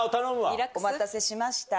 お待たせしました。